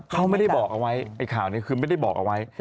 เขาไม่ได้บอกเอาไว้ไอ้ข่าวนี้คือไม่ได้บอกเอาไว้